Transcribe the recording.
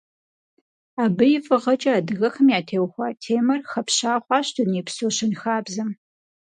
Абы и фӀыгъэкӀэ адыгэхэм ятеухуа темэр хэпща хъуащ дунейпсо щэнхабзэм.